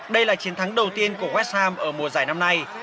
đây là chiến thắng đầu tiên của west ham ở mùa giải năm nay